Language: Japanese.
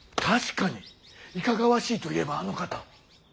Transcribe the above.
確かにいかがわしいといえばあの方。